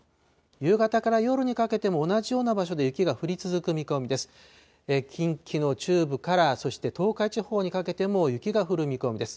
夕方から夜にかけても同じような場所で雪が降り続く見込みです。